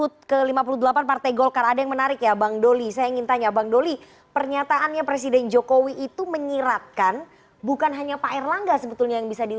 silahkan terjemahkan sendiri